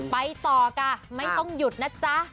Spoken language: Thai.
ไปต่อค่ะไม่ต้องหยุดนะจ๊ะ